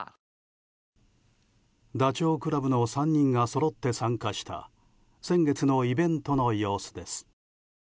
ダチョウ倶楽部の３人がそろって参加した先月のイベントの様子です。